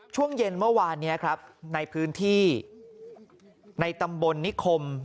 ช่วงเย็นเมื่อวานนี้ครับในพื้นที่ในตำบลนิคม